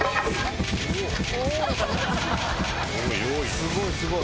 すごいすごい！